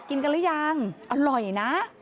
กินกันหรือยังอร่อยนะ